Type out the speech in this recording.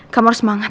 kamu harus semangat